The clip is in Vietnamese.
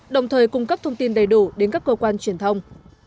đồng thời cung cấp thông tin đầy đủ đến các cơ quan truyền thông